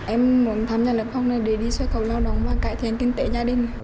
em muốn tham gia lập hồ này để đi xuất khẩu lao động và cải thiện kinh tế gia đình